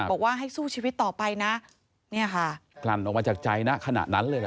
บอกว่าให้สู้ชีวิตต่อไปนะเนี่ยค่ะกลั่นออกมาจากใจณขณะนั้นเลยเหรอ